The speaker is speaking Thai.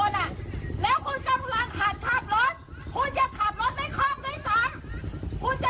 นะฮะ